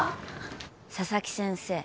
佐々木先生